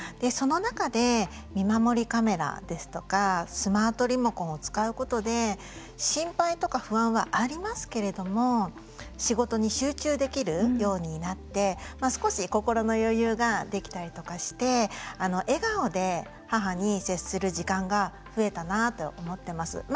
その中で見守りカメラですとかスマートリモコンを使うことで心配とか不安はありますけれども仕事に集中できるようになって少し心の余裕が出来たりとかして笑顔で母に接する時間が増えたなと思ってます。